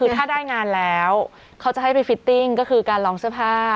ถ้าได้งานแล้วเขาจะให้ไปฟิตติ้งก็คือการลองเสื้อผ้า